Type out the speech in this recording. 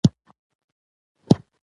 لکه سور رنګ چې دې په اوبو کې شېندلى وي.